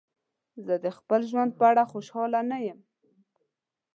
زه د خپل ژوند په اړه خوشحاله نه یم.